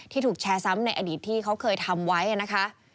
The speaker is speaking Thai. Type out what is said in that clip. ถูกแชร์ซ้ำในอดีตที่เขาเคยทำไว้นะคะ